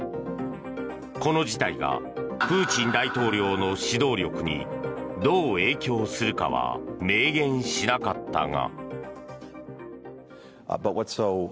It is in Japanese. この事態がプーチン大統領の指導力にどう影響するかは明言しなかったが。